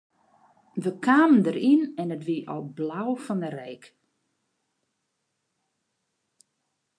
Wy kamen deryn en it wie al blau fan 'e reek.